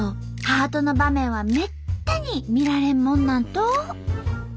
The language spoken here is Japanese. ハートの場面はめったに見られんもんなんと。